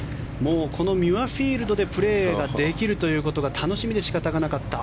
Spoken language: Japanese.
このミュアフィールドでプレーできることが楽しみで仕方なかった。